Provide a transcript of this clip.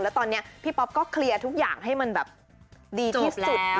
แล้วตอนนี้พี่ป๊อปก็เคลียร์ทุกอย่างให้มันแบบดีที่สุด